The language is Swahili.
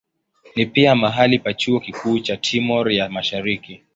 Ni pia mahali pa chuo kikuu cha Timor ya Mashariki.